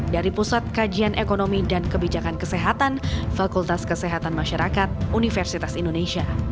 dari pusat kajian ekonomi dan kebijakan kesehatan fakultas kesehatan masyarakat universitas indonesia